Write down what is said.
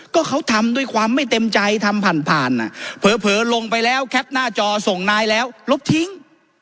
ก็เขาทำด้วยความไม่เต็มใจทำผ่านผ่านเผลอลงไปแล้วแคปหน้าจอส่งนายแล้วลบทิ้ง